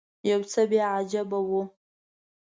یو څه بیا عجیبه و.